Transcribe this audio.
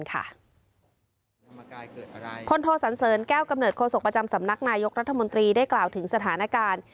โทสันเสริญแก้วกำเนิดโศกประจำสำนักนายกรัฐมนตรีได้กล่าวถึงสถานการณ์